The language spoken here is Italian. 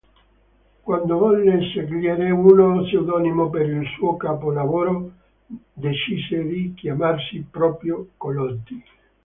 Quando volle scegliere uno pseudonimo per il suo capolavoro, decise di chiamarsi proprio Collodi.